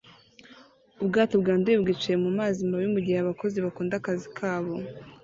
Ubwato bwanduye bwicaye mumazi mabi mugihe abakozi bakunda akazi kabo